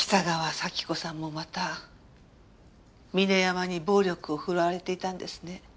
サキ子さんもまた峰山に暴力を振るわれていたんですね。